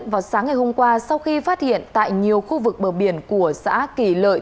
vào sáng ngày hôm qua sau khi phát hiện tại nhiều khu vực bờ biển của xã kỳ lợi